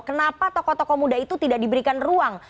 kenapa tokoh tokoh muda itu tidak diberikan ruang